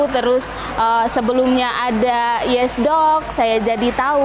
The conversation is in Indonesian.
terus sebelumnya ada yesdoc saya jadi tahu